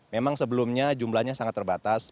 memang sebelumnya jumlahnya sangat terbatas